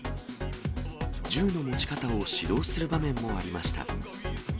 銃の持ち方を指導する場面もありました。